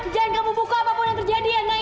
jangan kamu buka apapun yang terjadi ya naya